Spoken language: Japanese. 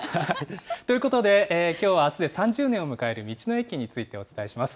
ということで、きょうはあすで３０年を迎える道の駅についてお伝えします。